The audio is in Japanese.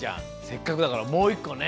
せっかくだからもういっこね。